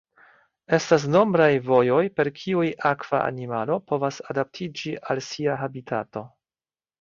Estas nombraj vojoj per kiuj akva animalo povas adaptiĝi al sia habitato.